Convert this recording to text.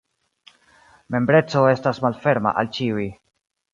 Membreco estas malferma al ĉiuj.